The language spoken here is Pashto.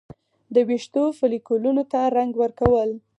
د ویښتو فولیکونو ته رنګ ورکول